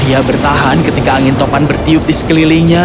ia bertahan ketika angin topan bertiup di sekelilingnya